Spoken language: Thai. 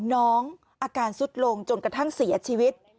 น้องอาการสุดลงจนกระทั่งเสียชีวิต